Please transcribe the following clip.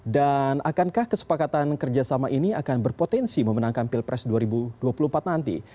dan akankah kesepakatan kerjasama ini akan berpotensi memenangkan pilpres dua ribu dua puluh empat nanti